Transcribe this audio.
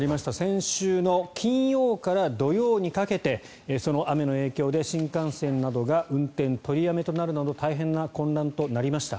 先週の金曜日から土曜日にかけてその雨の影響で新幹線などが運転取りやめとなるなど大変な混乱となりました。